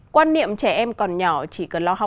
quan niệm trẻ em còn nhỏ